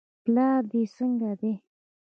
پلار دې څنګه دی.